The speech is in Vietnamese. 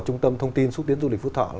trung tâm thông tin xúc tiến du lịch phú thọ